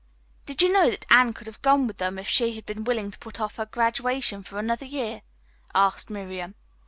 "Did you know that Anne could have gone with them if she had been willing to put off her graduation for another year?" asked Miriam.